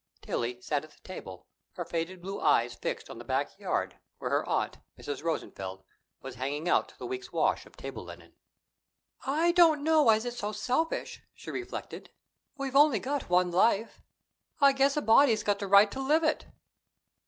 Tillie sat at the table, her faded blue eyes fixed on the back yard, where her aunt, Mrs. Rosenfeld, was hanging out the week's wash of table linen. "I don't know as it's so selfish," she reflected. "We've only got one life. I guess a body's got the right to live it."